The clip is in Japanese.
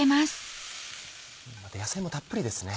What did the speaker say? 野菜もたっぷりですね。